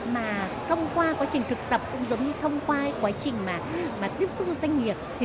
mà thông qua quá trình thực tập cũng giống như thông qua quá trình mà mà tiếp xúc doanh nghiệp thì